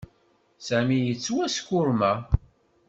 Sami yettwaskurma.